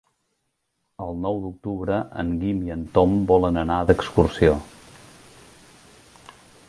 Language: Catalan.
El nou d'octubre en Guim i en Tom volen anar d'excursió.